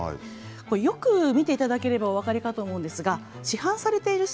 よく見ていただければ分かるかと思いますが市販されています